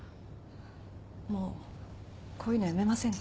もうこういうのやめませんか？